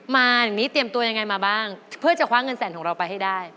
อย่างนี้เตรียมตัวยังไงมาบ้างเพื่อจะคว้าเงินแสนของเราไปให้ได้